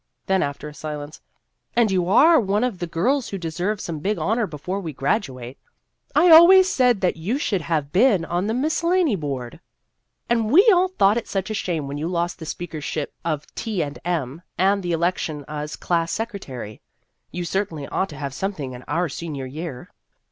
Then, after a silence :" And you are one of the girls who deserve some big honor before we grad uate. I always said that you should have been on the Miscellany Board. And we all thought it such a shame when you lost the speakership of T. and M., and the election as class secretary. You certainly ought to have something in our senior year."